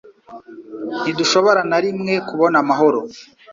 Ntidushobora na rimwe kubona amahoro